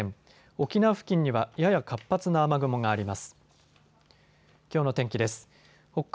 沖縄付近にはやや活発な雨雲があります。